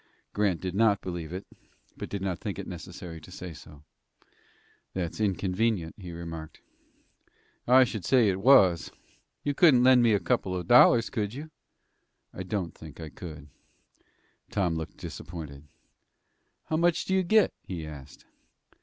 Grant did not believe it, but did not think it necessary to say so. "That's inconvenient," he remarked. "I should say it was. You couldn't lend me a couple of dollars, could you?" "I don't think I could." Tom looked disappointed. "How much do you get?" he asked.